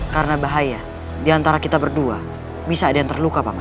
karena bahaya diantara kita berdua bisa ada yang terluka pak mak